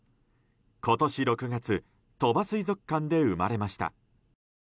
今年６月鳥羽水族館で生まれました。